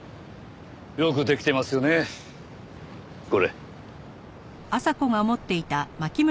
よくできてますよねこれ。